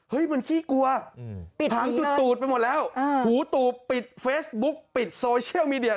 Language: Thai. มันขี้กลัวปิดผังจูดไปหมดแล้วหูตูดปิดเฟซบุ๊กปิดโซเชียลมีเดีย